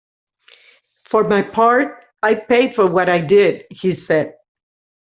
"For my part, I paid for what I did," he said.